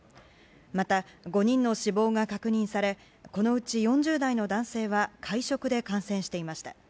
また５人の死亡が確認されこのうち４０代の男性は会食で感染していました。